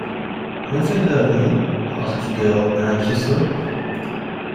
Won't they hurt me? asked the girl, anxiously.